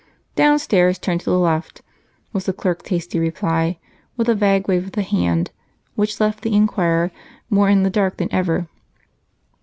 "Downstairs, turn to the left," was the clerk's hasty reply, with a vague wave of the hand which left the inquirer more in the dark than ever.